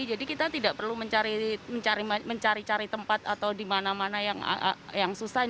jadi kita tidak perlu mencari tempat atau di mana mana yang susah